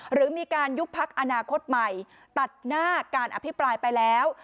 หรือมีการยุบพักอนาคตใหม่ตัดหน้าการอภิปรายไปแล้ว